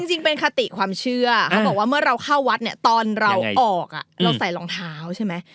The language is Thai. จริงเป็นคติความเชื่อเขาบอกว่าเมื่อเราเข้าวัดเนี่ยตอนเราออกเราใส่รองเท้าใช่ไหม